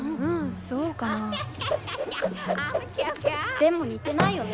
でも似てないよね。